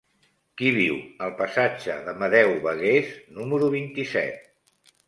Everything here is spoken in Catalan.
Qui viu al passatge d'Amadeu Bagués número vint-i-set?